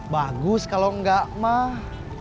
bagus kalau enggak mah